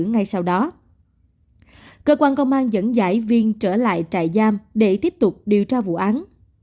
ngay sau đó cơ quan công an dẫn dãi viên trở lại trại giam để tiếp tục điều tra vụ án